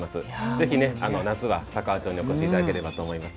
ぜひ夏は佐川町にお越しいただければと思います。